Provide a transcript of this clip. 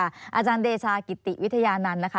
อาจารย์เดชากิติวิทยานันต์นะคะ